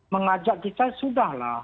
mengajak kita sudah lah